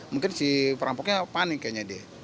mungkin si perampoknya panik kayaknya deh